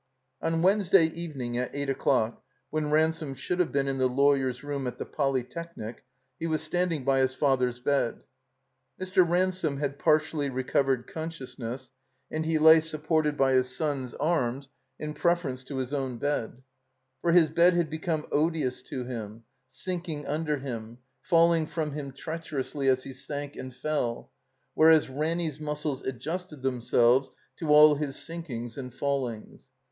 * On Wednesday evening, at eight o'clock, when Ransome should have been in the lawyer's room at the Polytechnic, he was standing by his father's bed. Mr. Ransome had partially recovered consciousness, and he lay supported by his son's arms in preference 335 THE COMBINED MAZE to his own bed. For his bed had become odious to him, sinking under him, falling from him treacher ously as he sank and fell, whereas Ranny's musdes adjusted themselves to all his sinkings and fallings.